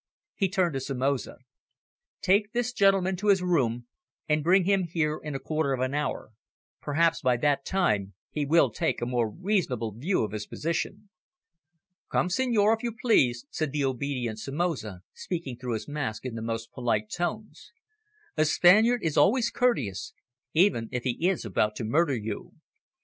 He turned to Somoza. "Take this gentleman to his room, and bring him here in a quarter of an hour. Perhaps, by that time, he will take a more reasonable view of his position." "Come, senor, if you please," said the obedient Somoza, speaking through his mask in the most polite accents. A Spaniard is always courteous, even if he is about to murder you.